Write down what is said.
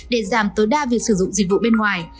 để giảm tối đa việc sử dụng dịch vụ bên ngoài